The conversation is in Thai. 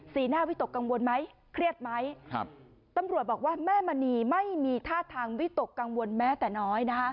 หน้าวิตกกังวลไหมเครียดไหมครับตำรวจบอกว่าแม่มณีไม่มีท่าทางวิตกกังวลแม้แต่น้อยนะคะ